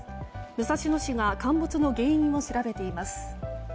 武蔵野市が陥没の原因を調べています。